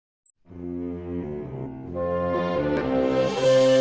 うん！